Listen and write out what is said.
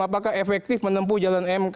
apakah efektif menempuh jalan mk